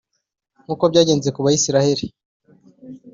nk’uko byagenze ku Bayisraheli,